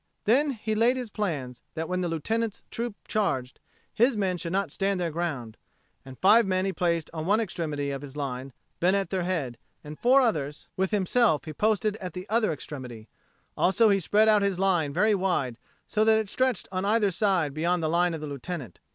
Then he laid his plans that when the Lieutenant's troop charged, his men should not stand their ground. And five men he placed on one extremity of his line, Bena at their head; and four others with himself he posted at the other extremity; also he spread out his line very wide, so that it stretched on either side beyond the line of the Lieutenant.